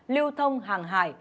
lưu thông hàng hải